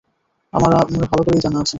আমার ভালো করেই জানা আছে।